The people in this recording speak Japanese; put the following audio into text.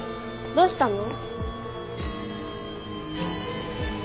どうしたの？